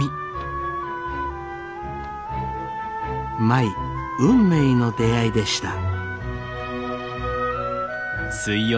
舞運命の出会いでした。